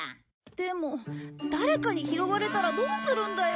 でも誰かに拾われたらどうするんだよ。